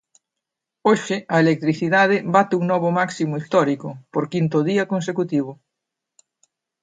Hoxe a electricidade bate un novo máximo histórico, por quinto día consecutivo.